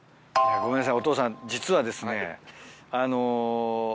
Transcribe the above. ごめんなさい